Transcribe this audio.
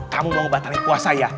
kamu mau batalin puasa ya